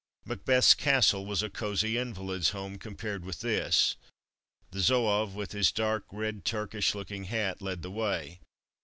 Macbeth's castle was a cosy invalids' home compared with this. The Zouave, with his dark red Turk ish looking hat, led the way.